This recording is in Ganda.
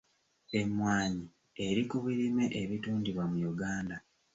Emmwanyi eri ku birime ebitundibwa mu Uganda.